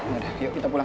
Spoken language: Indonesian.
yaudah yuk kita pulang